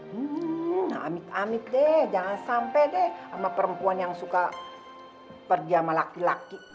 hmm amik amit deh jangan sampai deh sama perempuan yang suka pergi sama laki laki